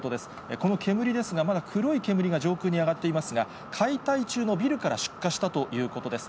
この煙ですが、まだ黒い煙が上空に上がっていますが、解体中のビルから出火したということです。